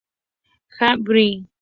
Grau, Jr.